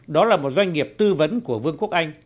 đó là một doanh nghiệp tư vấn của vương quốc anh